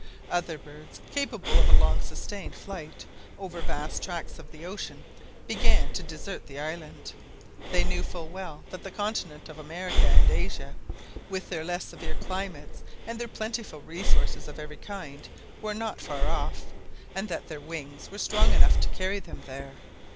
Other birds capable of a long sustained flight over vast tracts of the ocean began to desert the island. They knew full well that the continent of America and of Asia, with their less severe climates and their plentiful resources of every kind, were not far off, and that their wings were strong enough to carry them there.